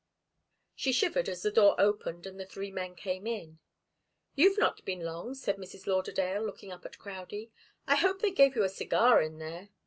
She shivered as the door opened and the three men came in. "You've not been long," said Mrs. Lauderdale, looking up at Crowdie. "I hope they gave you a cigar in there."